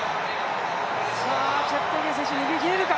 チェプテゲイ選手、逃げ切れるか。